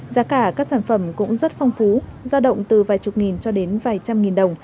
giá cả các sản phẩm cũng rất phong phú